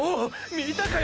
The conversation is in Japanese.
見たかよ